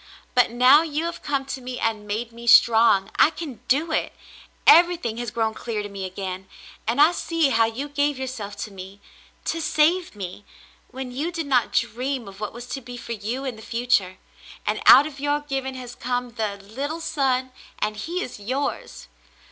But now you have come to me and made me strong, I can do it. Everything has grown clear to me again, and I see how you gave yourself to me — to save me — when you did not dream of what was to be for you in the future; and out of your giving has come the — little son, and he is yours.